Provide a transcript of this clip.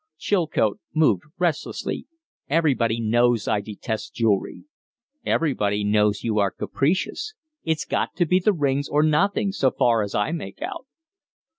Chilcote moved restlessly. "Everybody knows I detest jewelry." "Everybody knows you are capricious. It's got to be the rings or nothing, so far as I make out."